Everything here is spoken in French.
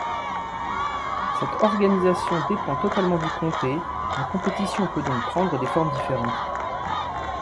Cette organisation dépend totalement du comté, la compétition peut donc prendre des formes différentes.